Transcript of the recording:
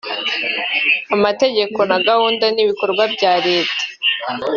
amategeko na gahunda n’ibikorwa bya Leta